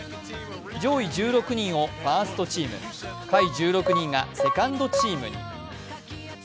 上位１６人をファーストチーム、下位１６人がセカンドチームに。